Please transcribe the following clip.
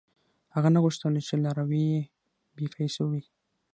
• هغه نه غوښتل، چې لاروي یې بېپېسو وي.